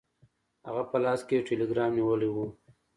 هغه په لاس کې یو ټیلګرام نیولی و.